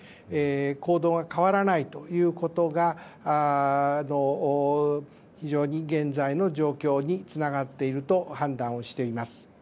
行動が変わらないということが非常に現在の状況につながっていると判断をしています。